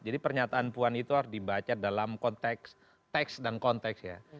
jadi pernyataan puan itu harus dibaca dalam konteks teks dan konteks ya